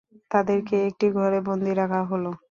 তাদেরকে একটি ঘরে বন্দী রাখা হলো।